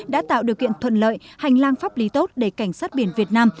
đã tạo điều kiện thuận lợi hành lang pháp lý tốt để cảnh sát biển việt nam